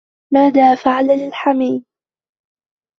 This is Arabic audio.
ماذا فعل للحمي؟